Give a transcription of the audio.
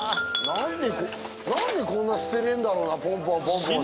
何で何でこんな捨てれんだろうなポンポンポンポンさぁ。